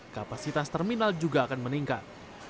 kapasitas terminal juga akan meningkat